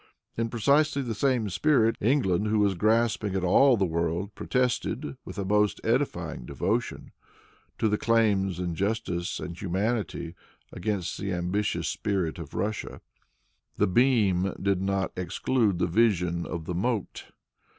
In precisely the same spirit, England, who was grasping at all the world, protested, with the most edifying devotion to the claims of justice and humanity, against the ambitious spirit of Russia. The "beam" did not exclude the vision of the "mote."